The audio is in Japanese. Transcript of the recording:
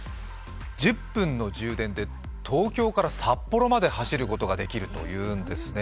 １０分の充電で東京から札幌まで走ることができるというんですね。